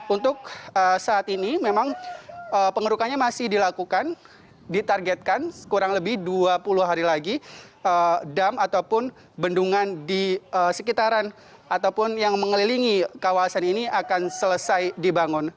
untuk saat ini memang pengerukannya masih dilakukan ditargetkan kurang lebih dua puluh hari lagi dam ataupun bendungan di sekitaran ataupun yang mengelilingi kawasan ini akan selesai dibangun